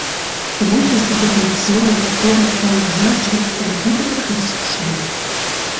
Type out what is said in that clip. Für mich ist die Definition einer drogenfreien Gesellschaft eine gute Begriffsbestimmung.